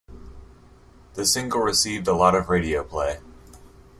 The single received a lot of radio play.